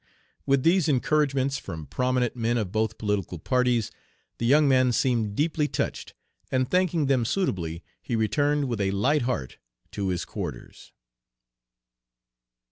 With these encouragements from prominent men of both political parties the young man seemed deeply touched, and thanking them suitably he returned with a light heart to his quarters."